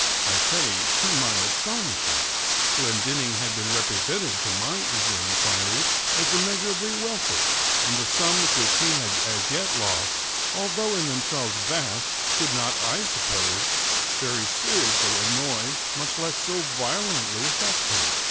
I say to my astonishment. Glendinning had been represented to my eager inquiries as immeasurably wealthy; and the sums which he had as yet lost, although in themselves vast, could not, I supposed, very seriously annoy, much less so violently affect him.